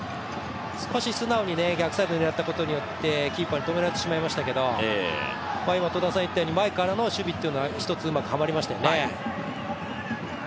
少し、素直に逆サイドに狙ったことでキーパーに止められてしまいましたけど、前からの守備というのは１つ、うまくはまりましたよね。